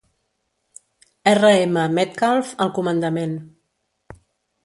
R. M. Metcalf al comandament.